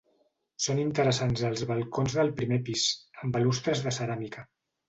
Són interessants els balcons del primer pis, amb balustres de ceràmica.